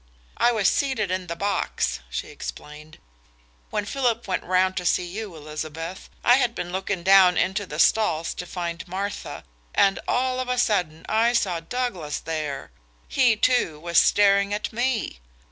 "I was seated in the box," she explained, "when Philip went round to see you, Elizabeth. I had looking down into the stalls to find Martha, and all of a sudden I saw Douglas there. He, too, was staring at me.